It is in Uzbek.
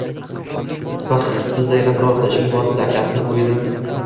– Pix! Bizda yana birorta ishing bormidi, akasi bo‘yidan?